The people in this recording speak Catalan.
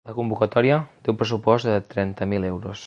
La convocatòria té un pressupost de trenta mil euros.